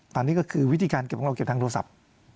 ตอนนี้ก็คือวิธีการเก็บทางโทรศัพท์